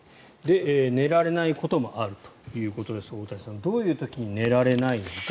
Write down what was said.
寝られないこともあるということですがどういう時に寝られないのか。